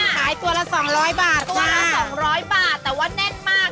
ขายตัวละ๒๐๐บาทตัวละ๒๐๐บาทแต่ว่าแน่นมาก